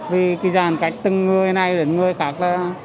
vì cái giàn cách từ người này đến người khác